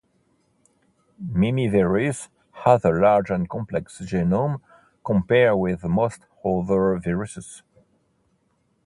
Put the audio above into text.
Mimivirus has a large and complex genome compared with most other viruses.